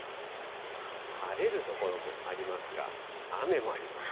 晴れる所もありますが、雨もあります。